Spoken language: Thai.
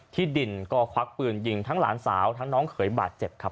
ที่ดินก็ควักปืนยิงทั้งหลานสาวทั้งน้องเขยบาดเจ็บครับ